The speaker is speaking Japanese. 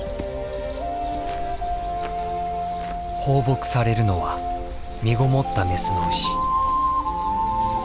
放牧されるのはみごもったメスの牛。